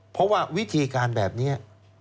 เพราะว่าวิธีการแบบนี้